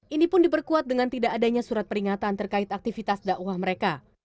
ini pun diperkuat dengan tidak adanya surat peringatan terkait aktivitas dakwah mereka